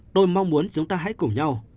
tôi mong muốn chúng ta hãy cùng nhau